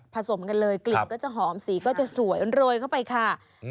สมกันเลยกลิ่นก็จะหอมสีก็จะสวยโรยเข้าไปค่ะ